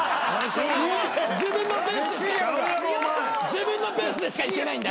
自分のペースでしかいけないんだね。